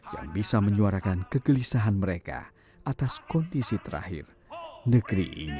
yang bisa menyuarakan kegelisahan mereka atas kondisi terakhir negeri ini